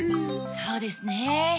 そうですね。